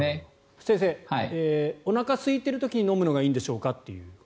先生おなかすいている時に飲むのがいいんでしょうか？